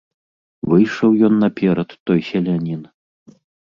Выйшаў ён наперад, той селянін.